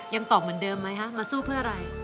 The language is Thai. ยังตอบเหมือนเดิมไหมฮะมาสู้เพื่ออะไร